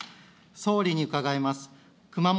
総理に伺います。